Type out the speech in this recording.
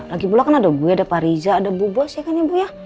lagi pulak kan ada buya ada pak riza ada bu buas ya kan ya buya